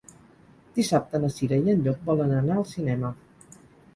Dissabte na Cira i en Llop volen anar al cinema.